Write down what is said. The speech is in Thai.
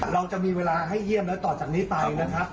เราจะมีเวลาให้เยี่ยมแล้วต่อจากนี้ไปนะครับ